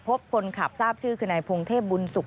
พบคนขับทราบชื่อคือนายพงเทพบุญสุข